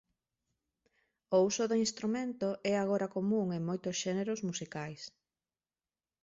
O uso do instrumento é agora común en moitos xéneros musicais.